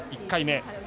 １回目。